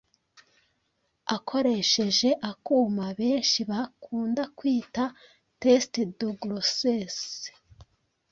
akoresheje akuma benshi bakunda kwita test de grossesse